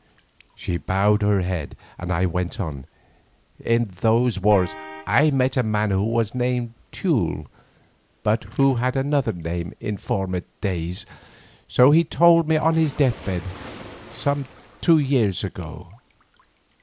She bowed her head and I went on. "In those wars I met a man who was named Teule, but who had another name in former days, so he told me on his deathbed some two years ago."